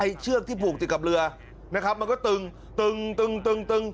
เชือกที่ผูกติดกับเรือนะครับมันก็ตึงตึงตึงตึงตึง